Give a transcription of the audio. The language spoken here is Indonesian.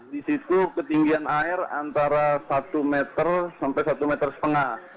di situ ketinggian air antara satu meter sampai satu meter setengah